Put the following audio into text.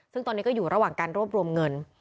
ซึ่งตอนนี้ก็อยู่ระหว่างการรวบรวมเงิน